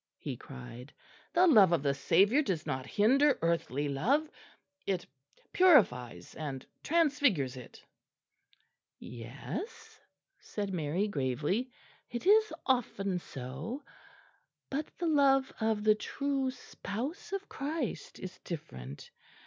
he cried; "the love of the Saviour does not hinder earthly love; it purifies and transfigures it." "Yes," said Mary gravely, "it is often so but the love of the true spouse of Christ is different.